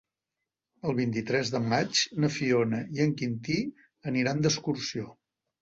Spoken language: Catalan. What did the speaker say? El vint-i-tres de maig na Fiona i en Quintí aniran d'excursió.